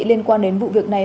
liên quan đến vụ việc này